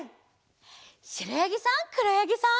しろやぎさんくろやぎさん。